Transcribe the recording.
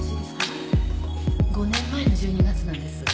５年前の１２月なんです。